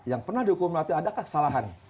yang pernah dihukum mati adakah kesalahan